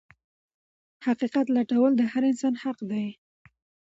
حقيقت لټول د هر انسان حق دی.